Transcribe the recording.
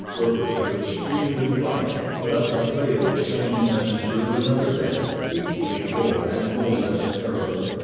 Werper could have screamed in fright, but up the trail was coming the messenger of another death, equally sure and no less terrible.